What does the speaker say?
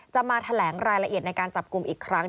จะมาแถลงรายละเอียดในการจับกลุ่มอีกครั้ง